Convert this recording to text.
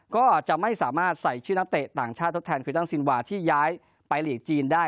ก็จะไม่สามารถใส่ชื่อนักเตะต่างชาติทดแทนคริตันซินวาที่ย้ายไปหลีกจีนได้